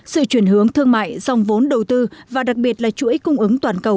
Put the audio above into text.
sự chuyển hướng thương mại dòng vốn đầu tư và đặc biệt là chuỗi cung ứng toàn cầu